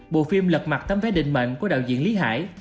bộ phim lật mặt tấm vé định mệnh của đạo diễn lý hải